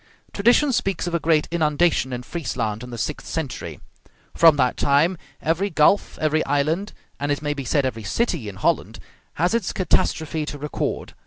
Tradition speaks of a great inundation in Friesland in the sixth century. From that time every gulf, every island, and it may be said every city, in Holland has its catastrophe to record.